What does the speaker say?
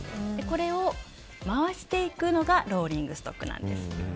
これを回していくのがローリングストックなんです。